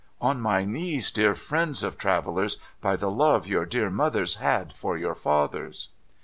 On my knees, dear friends of travellers 1 By the love your dear mothers had for your fathers